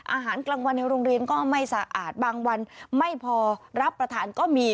อาหารกลางวันในโรงเรียนก็ไม่สะอาดบางวันไม่พอรับประทานก็มี